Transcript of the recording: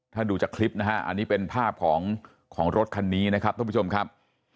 ถ้าดูจากคลิปนะฮะอันนี้เป็นภาพของรถคันนี้นะครับท่านผู้ชมครับ